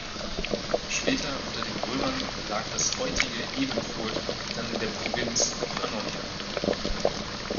Später unter den Römern lag das heutige Ebenfurth dann in der Provinz Pannonia.